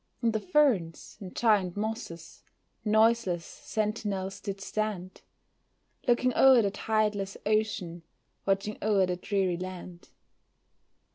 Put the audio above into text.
And the ferns, and giant mosses, noiseless sentinels did stand, Looking o'er the tideless ocean, watching o'er the dreary land.